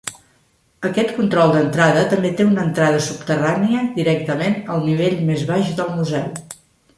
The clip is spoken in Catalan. Aquest control d'entrada també té una entrada subterrània directament al nivell més baix del museu.